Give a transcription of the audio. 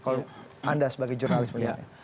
kalau anda sebagai jurnalist berpikir